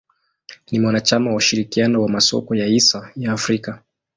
Ni mwanachama wa ushirikiano wa masoko ya hisa ya Afrika.